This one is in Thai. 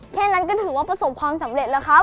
แค่นั้นก็ถือว่าประสบความสำเร็จแล้วครับ